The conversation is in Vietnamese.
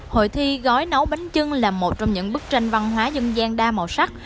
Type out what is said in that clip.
hội thi gói nấu bánh trưng là một trong những bức tranh văn hóa dân gian đa màu sắc